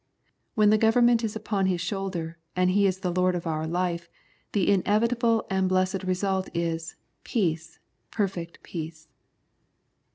When the gover ment is upon His shoulder, and He is the Lord of our life, the inevitable and blessed result is " peace, perfect peace."